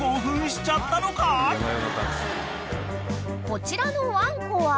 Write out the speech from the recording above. ［こちらのワンコは］